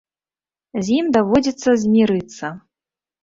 З ім даводзіцца змірыцца.